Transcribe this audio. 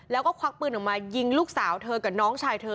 แล้วก็ควักปืนออกมายิงลูกสาวเธอกับน้องชายเธอ